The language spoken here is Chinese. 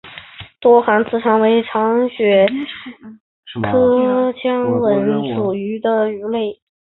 多刺腔吻鳕为长尾鳕科腔吻鳕属的鱼类。